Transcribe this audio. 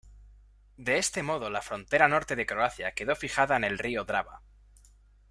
De este modo la frontera norte de Croacia quedó fijada en el río Drava.